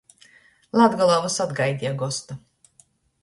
Latgolā vysod gaideja gostu.